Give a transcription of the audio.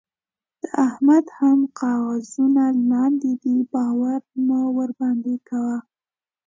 د احمد هم کاغذونه لانده دي؛ باور مه ورباندې کوه.